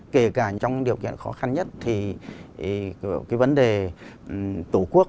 kể cả trong điều kiện khó khăn nhất thì cái vấn đề tổ quốc